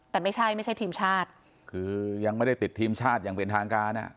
แต่ไม่ใช่ไม่ใช่ทีมชาติคือยังไม่ได้ติดทีมชาติอย่างเป็นทางการอ่ะ